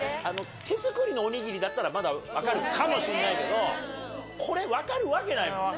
手作りのおにぎりだったらまだ分かるかもしれないけどこれ分かるわけないもんね。